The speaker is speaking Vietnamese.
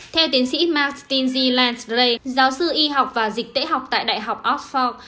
theo tiến sĩ mark stinsey lansley giáo sư y học và dịch tễ học tại đại học oxford